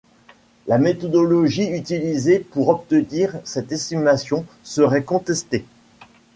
La méthodologie utilisée pour obtenir cette estimation serait contestée.